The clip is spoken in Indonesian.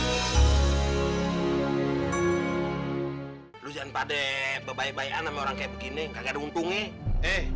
hai hai hai hai hai hai lu jangan pade bebaik baik anak orang kayak begini nggak ada untungnya eh